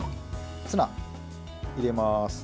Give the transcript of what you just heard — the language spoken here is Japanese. ツナ、入れます。